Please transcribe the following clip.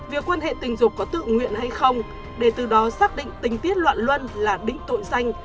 việc quan hệ tình dục có tự nguyện hay không để từ đó xác định tình tiết loạn luân là định tội danh